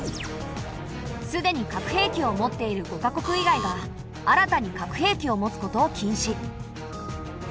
すでに核兵器を持っている５か国以外が新たに核兵器を持つことを禁止。